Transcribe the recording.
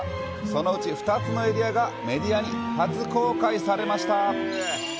そのうち、２つのエリアがメディアに初紹介されました。